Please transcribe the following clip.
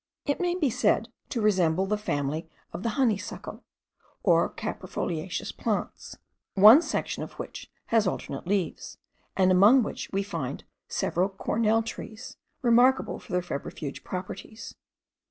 It may be said to resemble the family of the honeysuckle, or caprifoliaceous plants, one section of which has alternate leaves, and among which we find several cornel trees, remarkable for their febrifuge properties.